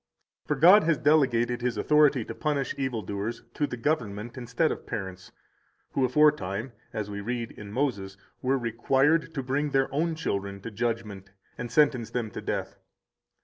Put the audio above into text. For God has delegated His authority to punish evil doers to the government instead of parents, who aforetime (as we read in Moses) were required to bring their own children to judgment and sentence them to death.